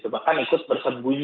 bahkan ikut bersembunyi